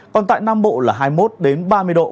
còn tại nam bộ là hai mươi một ba mươi độ